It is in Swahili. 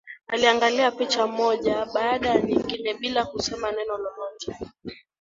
Aliangalia picha moja baada ya nyingine bila kusema neno lolote